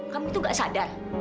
kamu tuh gak sadar